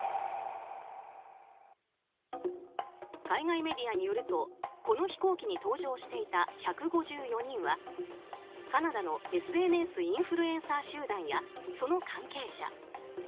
海外メディアによるとこの飛行機に搭乗していた１５４人はカナダのＳＮＳインフルエンサー集団やその関係者。